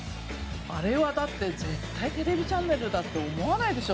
あれはだって絶対テレビチャンネルだって思わないでしょ。